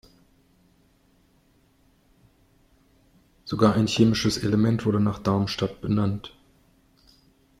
Sogar ein chemisches Element wurde nach Darmstadt benannt.